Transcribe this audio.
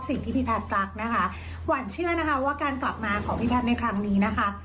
สิ่งที่พี่แพทย์รักนะคะขวัญเชื่อนะคะว่าการกลับมาของพี่แพทย์ในครั้งนี้นะคะ